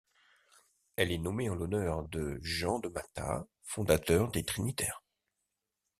Elle est nommée en l'honneur de Jean de Matha, fondateur des trinitaires.